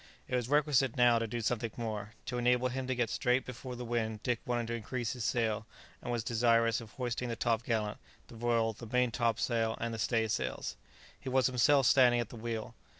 It was requisite now to do something more. To enable him to get straight before the wind Dick wanted to increase his sail, and was desirous of hoisting the top gallant, the royal, the main top sail, and the stay sails. He was himself standing at the wheel.